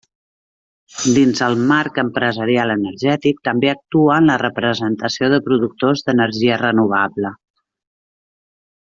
Dins el marc empresarial energètic també actua en la representació de productors d'energia renovable.